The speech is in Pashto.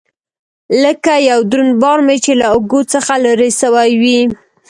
لکه يو دروند بار مې چې له اوږو څخه لرې سوى وي.